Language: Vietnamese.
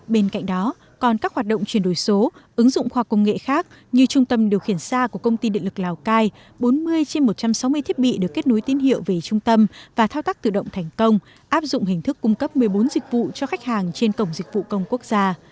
bên cạnh đó còn các hoạt động chuyển đổi số ứng dụng khoa công nghệ khác như trung tâm điều khiển xa của công ty điện lực lào cai bốn mươi trên một trăm sáu mươi thiết bị được kết nối tín hiệu về trung tâm và thao tác tự động thành công áp dụng hình thức cung cấp một mươi bốn dịch vụ cho khách hàng trên cổng dịch vụ công quốc gia